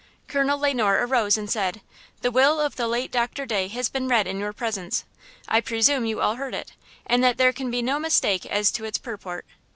Colonel Le Noir arose and said: "The will of the late Doctor Day has been read in your presence. I presume you all heard it, and that there can be no mistake as to its purport.